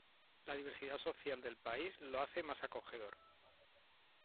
La diversidad social del país lo hace más acogedor.